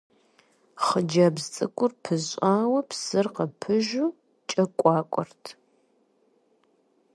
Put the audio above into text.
Хъыджэбз цӀыкӀур пӀыщӀауэ, псыр къыпыжу кӀэкуакуэрт.